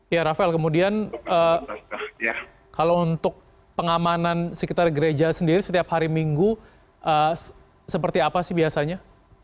ya rafael kemudian kalau untuk pengamanan sekitar gereja sendiri setiap hari minggu seperti apa sih biasanya